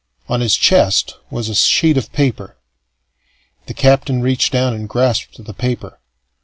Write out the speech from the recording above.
On his chest was a sheet of paper. The captain reached down and grasped the paper.